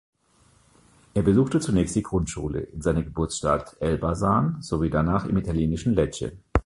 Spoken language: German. Er besuchte zunächst die Grundschule in seiner Geburtsstadt Elbasan sowie danach im italienischen Lecce.